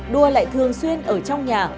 đua lại thường xuyên ở trong nhà